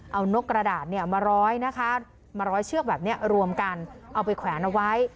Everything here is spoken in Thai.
เอานกกระดาษมาร้อยนะคะมาร้อยเชือกแบบนี้รวมกันเอาไปแขวนเอาไว้